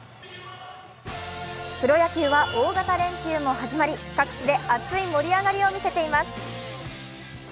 プロ野球は大型連休も始まり、各地で熱い盛り上がりを見せています。